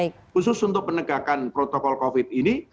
khusus untuk penegakan protokol covid ini